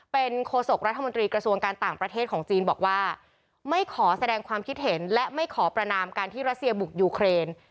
เป็นโฆษกรัฐมนตรีกระทรวงการต่างประเทศของจีนบอกว่าไม่ขอแสดงความคิดเห็นและไม่ขอประนามการที่รัสเซียบุกยูเครน